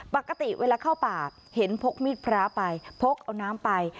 ปกติเวลาเข้าป่าเห็นพกมีดพระไปพกเอาน้ำไป